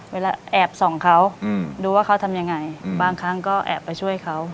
เวลาแอบส่องเขาดูว่าเขาทำยังไงบางครั้งก็แอบไปช่วยเขา